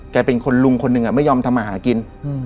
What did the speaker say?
เป็นคนลุงคนหนึ่งไม่ยอมทำมาหากิน